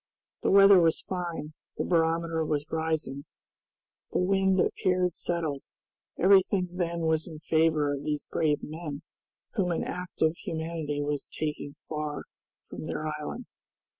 The weather was fine, the barometer was rising, the wind appeared settled, everything then was in favor of these brave men whom an act of humanity was taking far from their island.